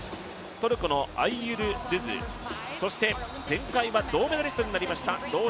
トルコのアイユルドゥズそして前回は銅メダリストになりました。